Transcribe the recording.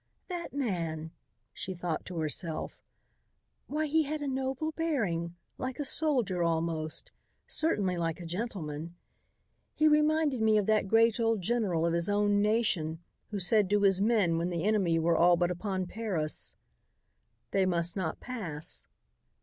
"That man," she thought to herself, "why he had a noble bearing, like a soldier, almost, certainly like a gentleman. He reminded me of that great old general of his own nation who said to his men when the enemy were all but upon Paris: 'They must not pass.'